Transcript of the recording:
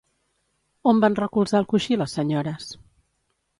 On van recolzar el coixí les senyores?